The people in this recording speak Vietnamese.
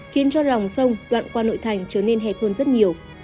khiến cho lòng sông đoạn qua nội thành trở nên hẹp hơn rất nhiều